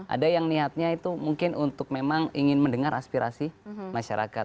ada yang niatnya itu mungkin untuk memang ingin mendengar aspirasi masyarakat